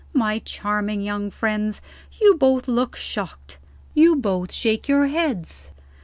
My charming young friends, you both look shocked; you both shake your heads.